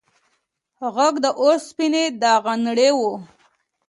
غږ د اوسپنې د غنړې و.